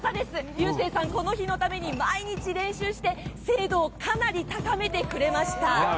リューセーさん、この日のために毎日練習して、精度をかなり高めてくれました。